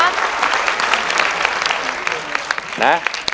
ขอบคุณนะครับ